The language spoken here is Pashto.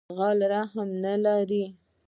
غل رحم نه لری